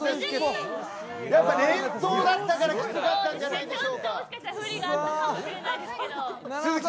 連投だったからきつかったんじゃないですか。